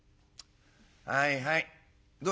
「はいはいどうした？」。